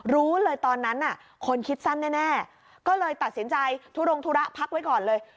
รู้เลยตอนนั้นคนคิดสั้นแน่ก็เลยตัดสินใจทุรงธุระพักไว้ก่อนเลย